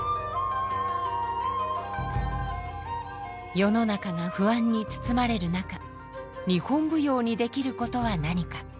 世の中が不安に包まれる中日本舞踊にできることは何か。